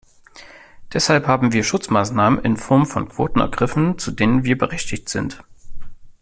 Deshalb haben wir Schutzmaßnahmen in Form von Quoten ergriffen, zu denen wir berechtigt sind.